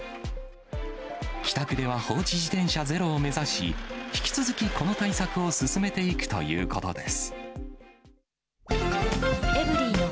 北区では放置自転車ゼロを目指し、引き続きこの対策を進めていくということです。